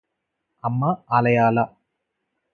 అమ్మ ఆలయాల